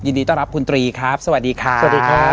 ยินดีต้อนรับคุณตรีครับสวัสดีครับ